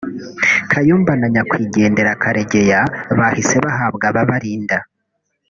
Kayumba na nyakwigendera Karegeya bahise bahabwa ababarinda